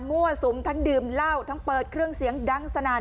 สุมทั้งดื่มเหล้าทั้งเปิดเครื่องเสียงดังสนั่น